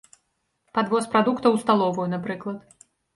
Падвоз прадуктаў у сталовую, напрыклад.